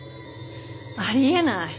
あり得ない。